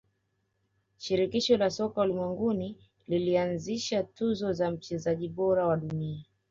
shirikisho la soka ulimwenguni lilianzisha tuzo za mchezaji bora wa dunia